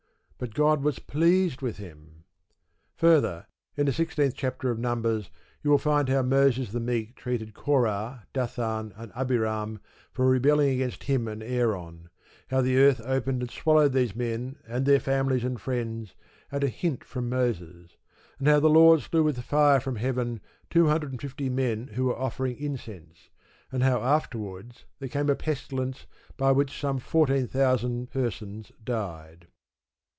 But God was pleased with him. Further, in the sixteenth chapter of Numbers you will find how Moses the Meek treated Korah, Dathan, and Abiram for rebelling against himself and Aaron; how the earth opened and swallowed these men and their families and friends, at a hint from Moses; and how the Lord slew with fire from heaven two hundred and fifty men who were offering incense, and how afterwards there came a pestilence by which some fourteen thousand persons died.